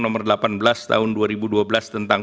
nomor delapan belas tahun dua ribu dua belas tentang